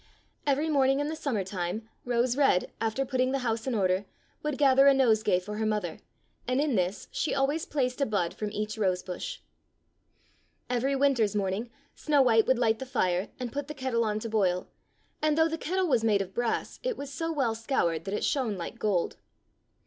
Every morning in the summer time Rose red, after putting the house in order, would gather a nose gay for her mother, and in this she always placed a bud from each rosebush. Every winter's morning Snow white would light the fire and put the kettle on to boil, and though the kettle was made of brass it 36 Fairy Tale Bears was so well scoured that it shone like gold.